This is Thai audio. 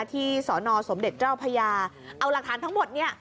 ที่สอนอสมเด็จเจ้าพญาเอาหลักฐานทั้งหมดเนี่ย